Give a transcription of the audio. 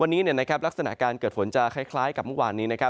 วันนี้ลักษณะการเกิดฝนจะคล้ายกับเมื่อวานนี้